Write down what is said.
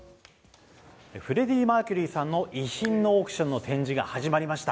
フレディ・マーキュリーさんの遺品のオークションの展示が始まりました。